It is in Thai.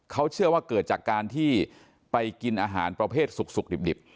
เขาเชื่อว่าเกิดจากการที่ไปกินอาหารประเภทสุกดิบ